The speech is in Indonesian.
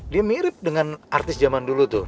dia mirip dengan artis zaman dulu tuh